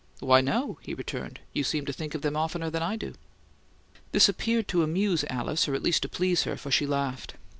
"Why, no," he returned. "You seem to think of them oftener than I do." This appeared to amuse Alice, or at least to please her, for she laughed.